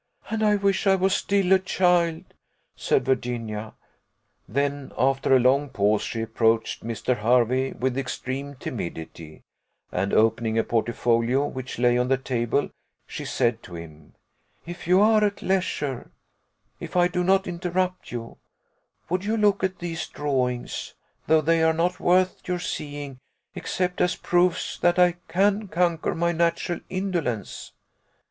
"And I wish I was still a child," said Virginia, Then, after a long pause, she approached Mr. Hervey with extreme timidity, and, opening a portfolio which lay on the table, she said to him, "If you are at leisure if I do not interrupt you would you look at these drawings; though they are not worth your seeing, except as proofs that I can conquer my natural indolence?"